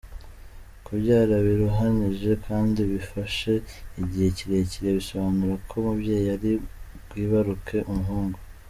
Kubyara biruhanije kandi bifashe igihe kirekire, bisobanura ko umubyeyi ari bwibaruke umuhungu.